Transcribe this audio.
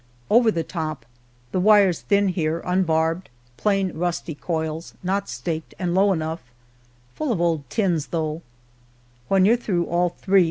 Over the top! The wire*s thin here, unbar bed Plain ruSly coils, not Slaked, and low enough: Full of old tins, though â "When you're through, all three.